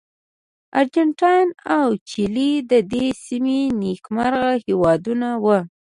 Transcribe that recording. ارجنټاین او چیلي د دې سیمې نېکمرغه هېوادونه وو.